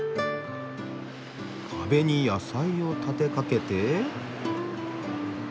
壁に野菜を立てかけて？